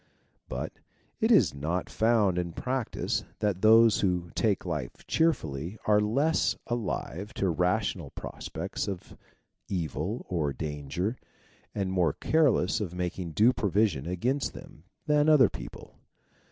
But it is not found in practice that those who take life cheerfully are less alive to rational prospects of evil or danger and more careless of making due provision against them, than other people.